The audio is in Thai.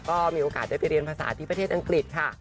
ก็มีโอกาสได้ไปเรียนภาษาที่ประเทศอังกฤษค่ะ